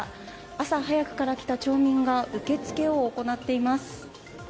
朝早くから来た町民が受付を行っています。